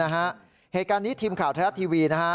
เหตุการณ์นี้ทีมข่าวทะเลาะทีวี